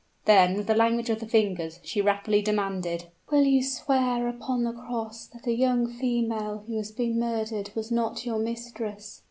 Then, with the language of the fingers, she rapidly demanded "Will you swear upon the cross that the young female who has been murdered, was not your mistress?"